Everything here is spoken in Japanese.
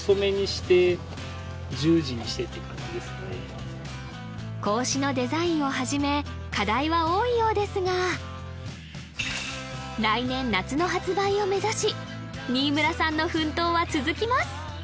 うん格子のデザインをはじめ課題は多いようですが来年夏の発売を目指し新村さんの奮闘は続きます！